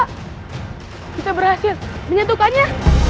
kita berhasil menyentuhkannya